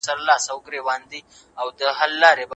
د احمد شاه ابدالي د تورې په اړه کومي افسانې ویل کیږي؟